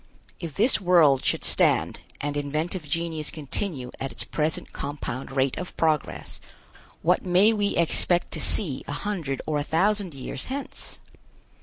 If this world should stand and inventive genius continue at its present compound rate of progress, what may we expect to see a hundred or a thousand years hence?